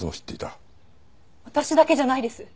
私だけじゃないです